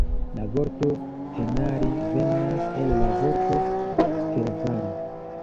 La vorto Tenali venas el la vorto Teravali.